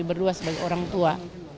berdua sebagai orang tua